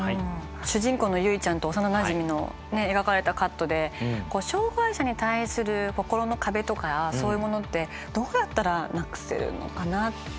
主人公の結衣ちゃんと幼なじみの描かれたカットで障害者に対する心の壁とかそういうものってどうやったらなくせるのかなって。